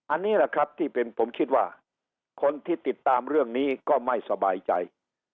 อันนี้แหละครับที่เป็นผมคิดว่าคนที่ติดตามเรื่องนี้ก็ไม่สบายใจ